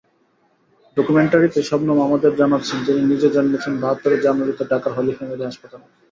ডকুমেন্টারিতে শবনম আমাদের জানাচ্ছেন, তিনি নিজে জন্মেছেন বাহাত্তরের জানুয়ারিতে ঢাকার হলি ফ্যামিলি হাসপাতালে।